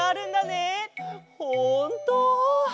ほんと！